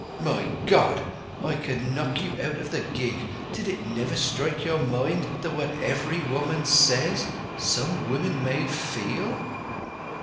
"My God! I could knock you out of the gig! Did it never strike your mind that what every woman says some women may feel?"